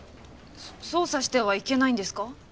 捜査してはいけないんですか？